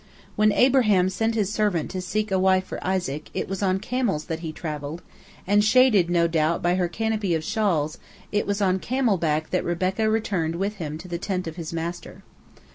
When Abraham sent his servant to seek a wife for Isaac, it was on camels that he travelled, and shaded, no doubt, by her canopy of shawls, it was on camel back that Rebekah returned with him to the tent of his master.